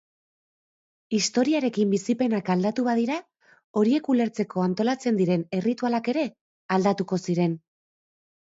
Historiarekin bizipenak aldatu badira, horiek ulertzeko antolatzen diren erritualak ere aldatuko ziren.